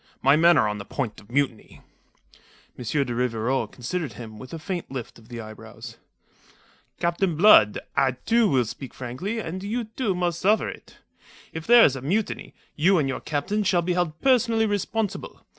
My men are on the point of mutiny." M. de Rivarol considered him with a faint lift of the eyebrows. "Captain Blood, I, too, will speak frankly; and you, too, must suffer it. If there is a mutiny, you and your captains shall be held personally responsible.